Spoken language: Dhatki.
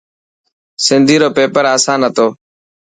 سنڌي رو پيپر اسان هتو.